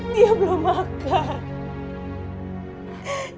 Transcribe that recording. dia belum makan